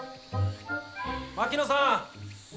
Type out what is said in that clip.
・槙野さん！